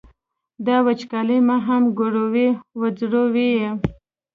دا وچکالي ما هم کړوي ځوروي یې.